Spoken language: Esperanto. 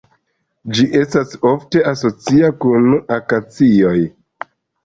Ĝi estas ofte asocia kun akacioj.